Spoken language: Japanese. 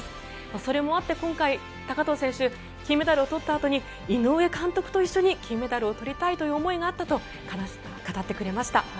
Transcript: それもあって今回、高藤選手金メダルを取ったあとに井上監督と一緒に金メダルを取りたいという思いがあったと語ってくれました。